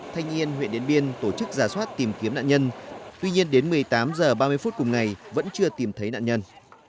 thanh yên huyện điện biên tổ chức giả soát tìm kiếm nạn nhân tuy nhiên đến một mươi tám h ba mươi phút cùng ngày vẫn chưa tìm thấy nạn nhân